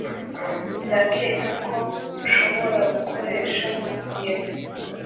Ndakeka ko nshobora gukoresha sosiyete